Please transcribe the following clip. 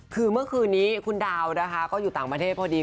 คือเมื่อคืนนี้คุณดาวนะคะก็อยู่ต่างประเทศพอดี